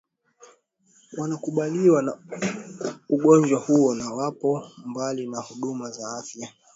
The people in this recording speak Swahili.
wanakabiliwa na ugonjwa huo na wapo mbali na huduma za afya